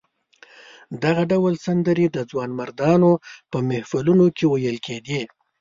دغه ډول سندرې د ځوانمردانو په محفلونو کې ویل کېدې.